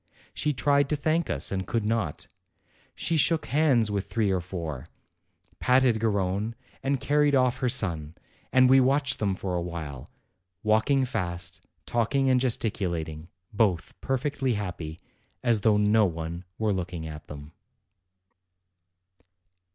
She tried to thank us, and could not; she shook hands with three or four, patted Garrone, and carried off her son ; and we watched them for a while, walking fast, talk ing and gesticulating, both perfectly happy, as though no one were looking at them.